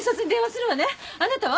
あなたは。